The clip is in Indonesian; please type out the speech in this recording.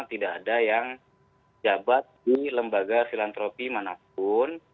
tidak ada yang jabat di lembaga filantropi manapun